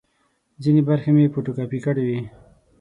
ځینې برخې مې فوټو کاپي کړې وې.